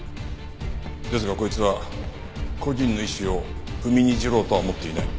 ですがこいつは故人の遺志を踏みにじろうとは思っていない。